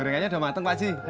gorengannya udah matang pak sih